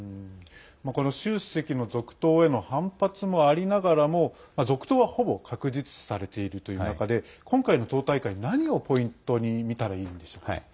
この習主席の続投への反発もありながらも続投は、ほぼ確実視されているという中で今回の党大会、何をポイントに見たらいいんでしょう。